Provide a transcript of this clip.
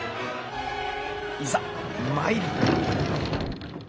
いざ参る！